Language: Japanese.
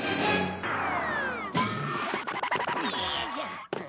よいしょ。